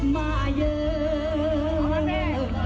มาเยอะ